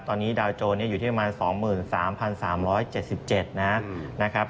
ตอนนี้ดาวโจรอยู่ที่ประมาณ๒๓๓๗๗นะครับ